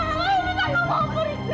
mama tidak mau mampu rindu